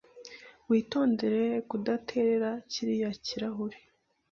Witondere kudaterera kiriya kirahure.